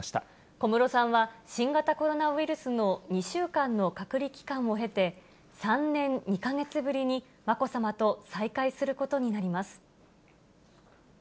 小室さんは、新型コロナウイルスの２週間の隔離期間を経て、３年２か月ぶりにまこさまと再会することになります。